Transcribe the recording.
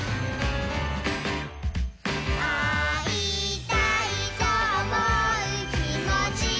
「あいたいとおもうきもちがあれば」